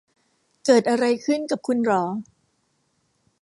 เกิดอะไรขึ้นกับคุณหรอ